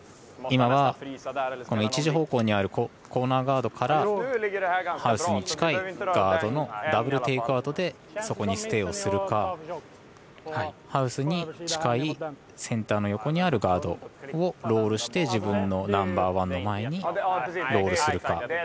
１時方向にあるコーナーガードからハウスに近いガードのダブル・テイクアウトでそこにステイをするかハウスに近いセンターの横にあるガードをロールして自分のナンバーワンの前にロールするか。